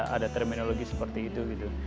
ada terminologi seperti itu